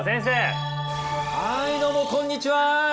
はいどうもこんにちは！